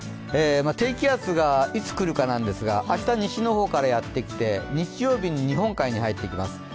低気圧がいつ来るかですが、明日、西の方からやってきて日曜日に日本海に入ってきます。